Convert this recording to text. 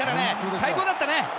最高だったね！